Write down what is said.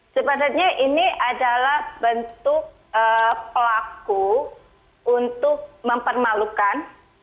sebenarnya ini adalah bentuk pelaku untuk mempermalukan